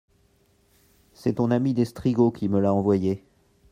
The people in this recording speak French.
C'est ton ami d'Estrigaud qui me l'a envoyé.